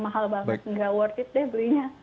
mahal banget nggak worth it deh belinya